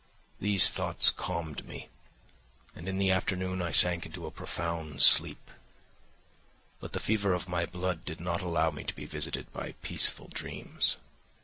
"These thoughts calmed me, and in the afternoon I sank into a profound sleep; but the fever of my blood did not allow me to be visited by peaceful dreams.